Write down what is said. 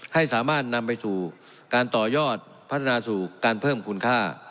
ให้สามารถนำไปสู่การต่อยอดพัฒนาสู่การเพิ่มคุณค่า